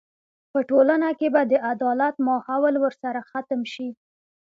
په ټولنه کې به د عدالت ماحول ورسره ختم شي.